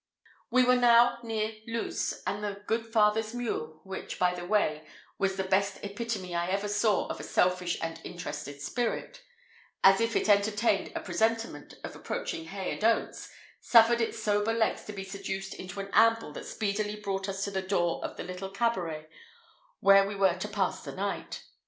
We were now near Luz, and the good father's mule which, by the way, was the best epitome I ever saw of a selfish and interested spirit as if it entertained a presentiment of approaching hay and oats, suffered its sober legs to be seduced into an amble that speedily brought us to the door of the little cabaret where we were to pass the night.